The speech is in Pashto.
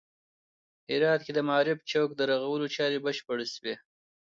هرات کې د معارف چوک د رغولو چارې بشپړې شوې